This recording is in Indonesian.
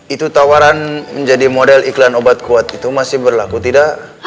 itu tawaran menjadi model iklan obat kuat itu masih berlaku tidak